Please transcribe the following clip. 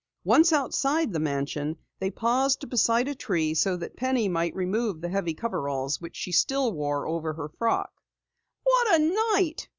Once outside the mansion, they paused beside a tree so that Penny might remove the heavy coveralls which she still wore over her frock. "What a night!"